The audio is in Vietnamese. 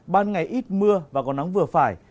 ban ngày ít mưa và có nắng vừa phải